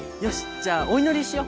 じゃあおいのりしよ！